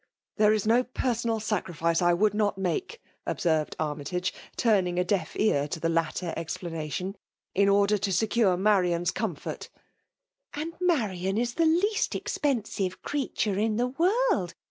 " Thexe is bo personal sacrifce I woadd n#t make/* obaerred Atmytage> tnming a deaf ear to the latter explanation, " in order to secure Marian's comfort." ^Aad Marian is the least expensive crea tee in the world!